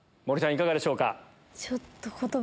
いかがでしょうか？